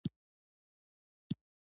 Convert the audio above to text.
په ساده کور کې ولید.